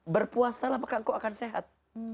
berpuasa lah maka kau akan sehat